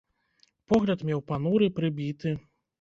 Погляд меў пануры, прыбіты.